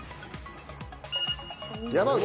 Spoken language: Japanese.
山内。